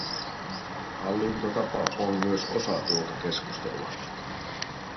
Hallintotapa on myös osa tuota keskustelua.